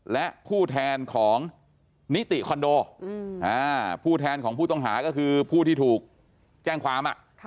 และผู้แทนของนิติคอนโดผู้แทนของผู้ต้องหาก็คือผู้ที่ถูกแจ้งความ